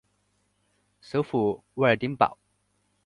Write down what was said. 首府沃尔丁堡。